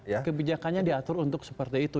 ya kebijakannya diatur untuk seperti itu